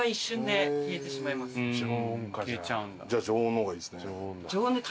じゃあ常温の方がいいっすね。